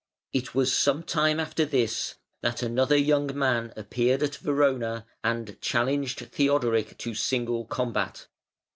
It was some time after this that another young man appeared at Verona and challenged Theodoric to single combat.